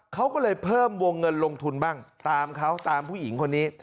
เขาก็เลยเพิ่มวงเงินลงทุนบ้างตามเขาตามผู้หญิงคนนี้